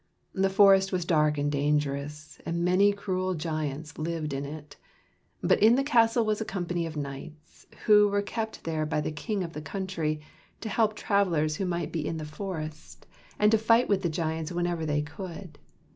The forest was dark and dangerous, and many cruel giants lived in it; but in the castle was a company of knights, who were kept there by the king of the country, to help travelers who might be in the forest, and to fight with the giants whenever they could.